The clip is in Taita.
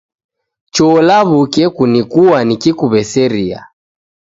Cho law'uke kunikua nikikuw'eseria